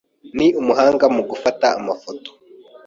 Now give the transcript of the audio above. Ni umuhanga mu gufata amafoto.